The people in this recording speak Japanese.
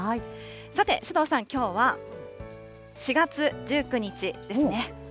さて、首藤さん、きょうは４月１９日ですね。